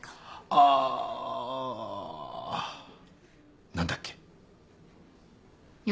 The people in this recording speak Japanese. あー何だっけ？